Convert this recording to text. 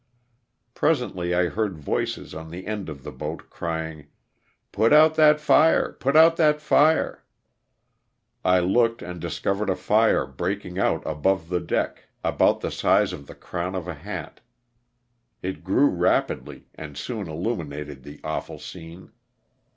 Presently I heard voices on the end of the boat crying, " Put out that fire, put out that fire !" I look ed and discovered a fire breaking out above the deck about the size of the crown of a hat. It grew rapidly and soon illuminated the awful scene.